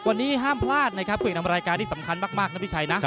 วันนี้ห้ามพลาดนะครับผู้เอกนำรายการที่สำคัญมากนะพี่ชัยนะ